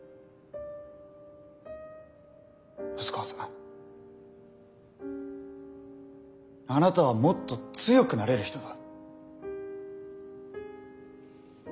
細川さんあなたはもっと強くなれる人だ。